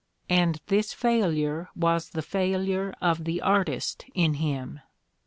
J And this failure was the failure of the artist in him.